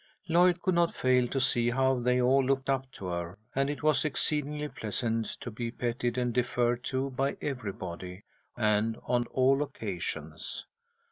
Lloyd could not fail to see how they all looked up to her, and it was exceedingly pleasant to be petted and deferred to by everybody, and on all occasions.